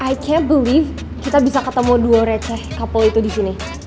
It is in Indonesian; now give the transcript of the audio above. i can't believe kita bisa ketemu duo receh couple itu di sini